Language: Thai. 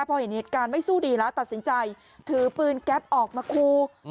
พอเห็นเหตุการณ์ไม่สู้ดีแล้วตัดสินใจถือปืนแก๊ปออกมาคู